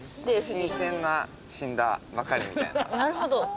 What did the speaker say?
新鮮な死んだばっかりみたいな。